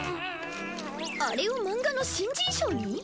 あれを漫画の新人賞に？